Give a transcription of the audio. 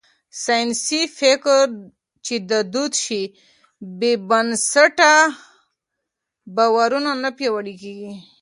ساينسي فکر چې دود شي، بې بنسټه باورونه نه پياوړي کېږي.